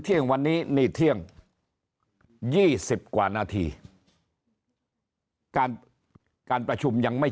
เที่ยงวันนี้นี่เที่ยง๒๐กว่านาทีการการประชุมยังไม่